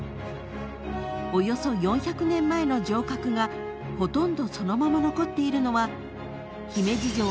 ［およそ４００年前の城郭がほとんどそのまま残っているのは］